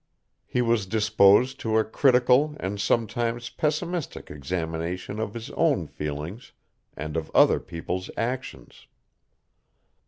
He was disposed to a critical and sometimes pessimistic examination of his own feelings and of other people's actions.